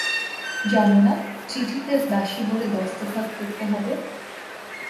জান না, চিঠিতে দাসী বলে দস্তখত করতে হবে?